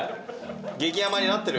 激甘になってる？